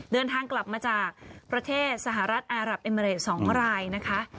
เดินทางกลับมาจากประเทศสหรัฐอารับเอเมริด๒รายนะคะ